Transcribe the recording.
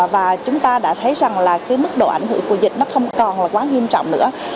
và chúng ta đã thấy rằng mức độ ảnh hưởng của dịch không còn quá nghiêm trọng nữa